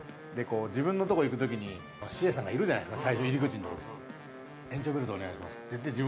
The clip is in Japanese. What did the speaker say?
自分のところ行くときにＣＡさんがいるじゃないですか。